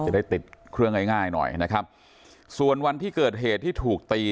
จะได้ติดเครื่องง่ายง่ายหน่อยนะครับส่วนวันที่เกิดเหตุที่ถูกตี